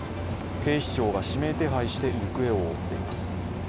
警視庁が指名手配して行方を追っています。